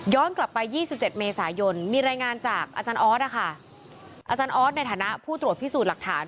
กลับไป๒๗เมษายนมีรายงานจากอาจารย์ออสอาจารย์ออสในฐานะผู้ตรวจพิสูจน์หลักฐาน